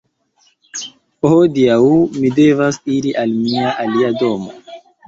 Hodiaŭ mi devas iri al mia alia domo.